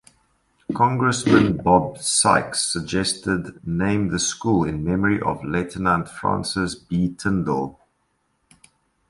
Congressman Bob Sikes suggested naming the school in memory of Lieutenant Francis B. Tyndall.